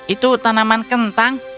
itu tanaman kentang